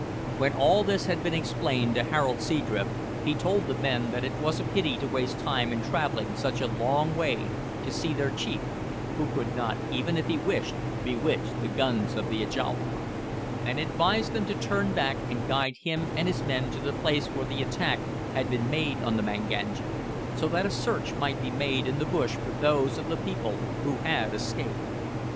When all this had been explained to Harold Seadrift he told the men that it was a pity to waste time in travelling such a long way to see their chief, who could not, even if he wished, bewitch the guns of the Ajawa, and advised them to turn back and guide him and his men to the place where the attack had been made on the Manganja, so that a search might be made in the bush for those of the people who had escaped.